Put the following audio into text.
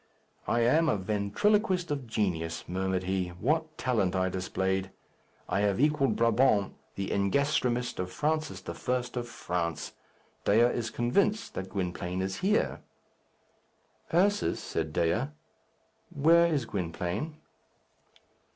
"I am a ventriloquist of genius," murmured he. "What talent I displayed! I have equalled Brabant, the engastrimist of Francis I. of France. Dea is convinced that Gwynplaine is here." "Ursus," said Dea, "where is Gwynplaine?"